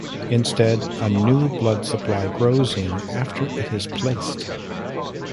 Instead, a new blood supply grows in after it is placed.